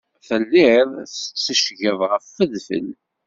Telliḍ tetteccgeḍ ɣef wedfel.